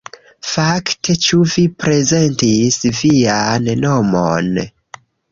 Fakte, ĉu vi prezentis vian nomon?